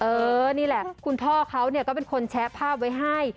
นี่แหละคุณพ่อเขาก็เป็นคนแชะภาพไว้ให้